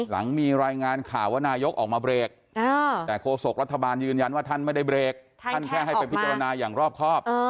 หลังมีรายงานข่าวว่านายกออกมาเบรกแต่โฆษกรัฐบาลยืนยันว่าท่านไม่ได้เบรกท่านแค่ให้ไปพิจารณาอย่างรอบครอบ